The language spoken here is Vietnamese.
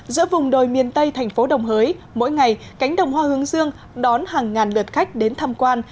giữa vùng đồi miền tây thành phố đồng hới mỗi ngày cánh đồng hoa hướng dương đón hàng ngàn lượt khách đến tham quan